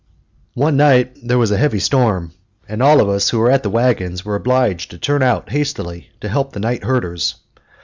One night there was a heavy storm, and all of us who were at the wagons were obliged to turn out hastily to help the night herders.